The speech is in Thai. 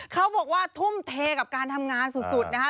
เขาบอกว่าทุ่มเทกับการทำงานสุดนะคะ